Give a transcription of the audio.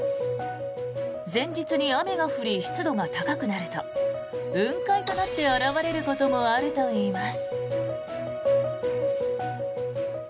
前日に雨が降り湿度が高くなると雲海となって現れることもあるといいます。